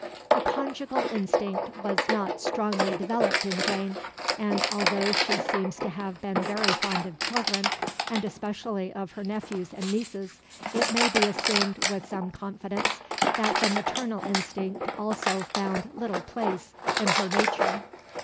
The conjugal instinct was not strongly developed in Jane; and, although she seems to have been very fond of children, and especially of her nephews and nieces, it may be assumed with some confidence that the maternal instinct also found little place in her nature.